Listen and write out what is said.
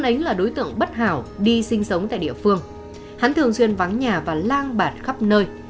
lý an ánh là đối tượng bất hảo đi sinh sống tại địa phương hắn thường xuyên vắng nhà và lang bản khắp nơi